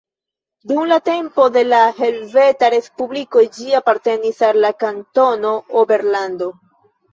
Dum la tempo de la Helveta Respubliko ĝi apartenis al la Kantono Oberlando.